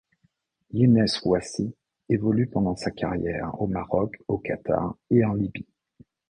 Younès Houassi évolue pendant sa carrière au Maroc, au Qatar, et en Libye.